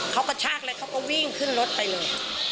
เขาก็ชากเลยเขาก็วิ่งเครื่องรถไปเลย